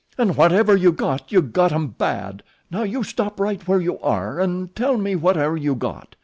"'N' whatever you got, you got 'em bad. Now you stop right where you air 'n' tell me whatever you got.